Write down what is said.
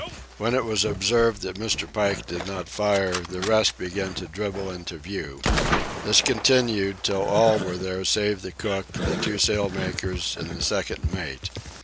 When it was observed that Mr. Pike did not fire, the rest began to dribble into view. This continued till all were there save the cook, the two sail makers, and the second mate.